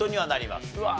うわ。